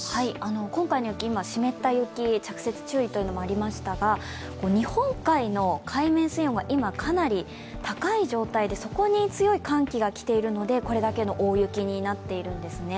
今回の雪、湿った雪着雪注意というのもありましたが日本海の海面水温が今、かなり高い状態でそこに強い寒気が来ているのでこれだけの大雪になっているんですね。